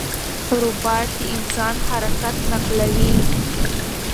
روباټ د انسان حرکت نقلوي.